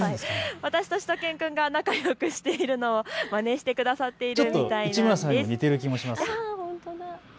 私としゅと犬くんが仲よくしているのをまねしてくださっているみたいなんです。